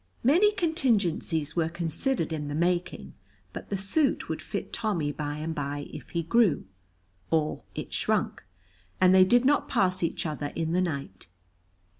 Many contingencies were considered in the making, but the suit would fit Tommy by and by if he grew, or it shrunk, and they did not pass each other in the night.